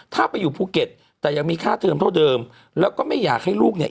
ถ้าไปอยู่ภูเก็ตแต่ยังมีค่าเทิมเท่าเดิมแล้วก็ไม่อยากให้ลูกเนี่ย